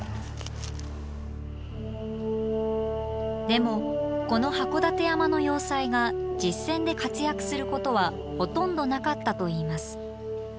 でもこの函館山の要塞が実戦で活躍することはほとんどなかったといいます。